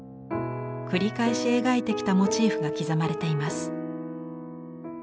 繰り返し描いてきたモチーフが刻まれています。